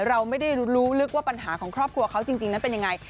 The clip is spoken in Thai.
เราไม่ได้รู้ลึกว่าปัญหาของครอบครัวเขาจริงนั้นเป็นยังไง